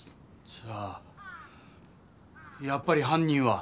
じゃあやっぱりはん人は。